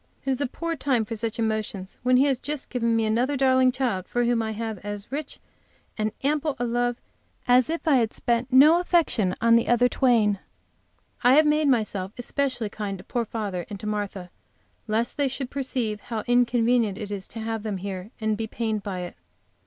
It is a poor time for such emotions when He has just given me another darling child, for whom I have as rich and ample a love as if I had spent no affection on the other twain. I have made myself especially kind to poor father and to Martha lest they should perceive how inconvenient it is to have them here, and be pained by it.